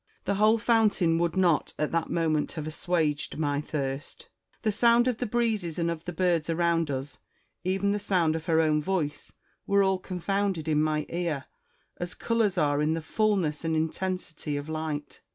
The whole fountain would not at that moment have assuaged my thirst. The sound of the breezes and of the birds around us, even the sound of her own voice, were all confounded in my ear, as colours are in the fulness and intensity of light.